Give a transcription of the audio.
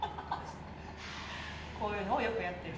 こういうのをよくやってる。